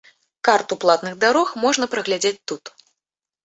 Карту платных дарог можна паглядзець тут.